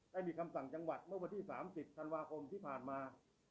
ได้มีคำสั่งจังหวัดเมื่อวันที่๓๐ธันวาคมที่ผ่านมา